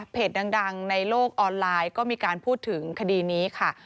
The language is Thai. ดังในโลกออนไลน์ก็มีการพูดถึงคดีนี้ค่ะ